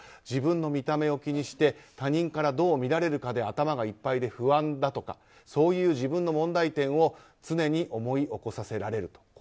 自分の見た目を気にして他人からどう見られるかで頭がいっぱいで不安だとかそういう自分の問題点を常に思い起こさせられると。